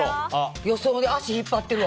予想で足引っ張ってるわ。